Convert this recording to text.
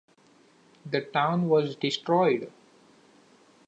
The town was destroyed.